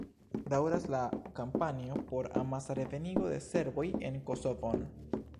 Daŭras la kampanjo por amasa revenigo de serboj en Kosovon.